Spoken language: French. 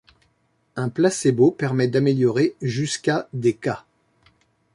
Un placebo permet d'améliorer jusqu'à des cas.